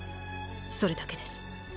それだけです。